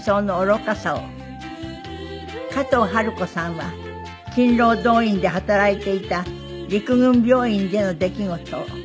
加藤治子さんは勤労動員で働いていた陸軍病院での出来事を。